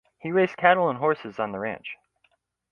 He raised cattle and horses on the ranch.